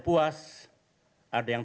puas ada yang